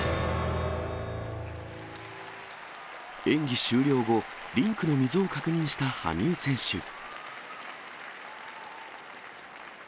演技終了後、リンクの溝を確認した羽生選手。